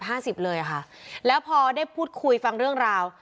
ห้าสิบเลยแล้วพอได้พูดคุยฟังเรื่องราว